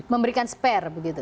memberikan spare begitu